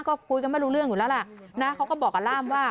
ก็คุยกันไม่รู้เรื่องอยู่แล้วล่ะนะเขาก็บอกกับล่ามว่า